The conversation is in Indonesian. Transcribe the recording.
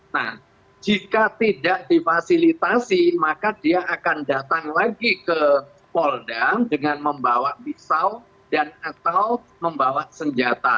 nah jika tidak difasilitasi maka dia akan datang lagi ke polda dengan membawa pisau dan atau membawa senjata